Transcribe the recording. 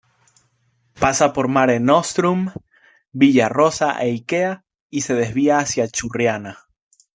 Pasa por Mare Nostrum, Villa Rosa e Ikea y se desvía hacia Churriana.